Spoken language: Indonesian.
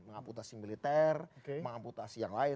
mengamputasi militer mengamputasi yang lain